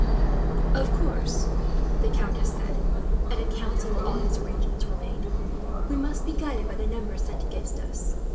"Of course," the countess said, at a council where all these arrangements were made, "we must be guided by the number sent against us.